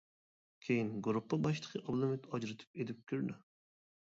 كېيىن گۇرۇپپا باشلىقى ئابلىمىت ئاجرىتىپ ئېلىپ كىردى.